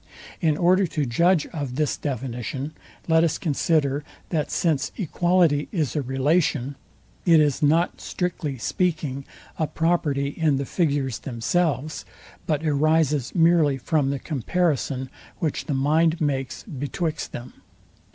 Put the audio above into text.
In order to judge of this definition let us consider, that since equality is a relation, it is not, strictly speaking, a property in the figures themselves, but arises merely from the comparison, which the mind makes betwixt them.